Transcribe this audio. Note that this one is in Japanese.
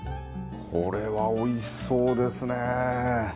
これはおいしそうですね！